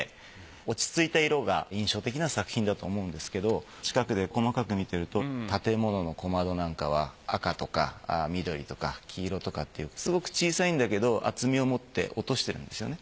落ち着いた色が印象的な作品だと思うんですけど近くで細かく見てると建物の小窓なんかは赤とか緑とか黄色とかっていうすごく小さいんだけど厚みをもって落としてるんですよね。